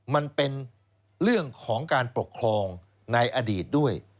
มันเป็นเรื่องของการปกครองในอดีตด้วย